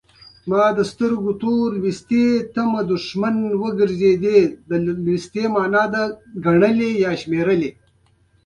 ویده ذهن خیالونه جوړوي